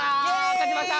勝ちました！